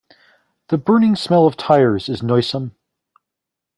The burning smell of tires is noisome.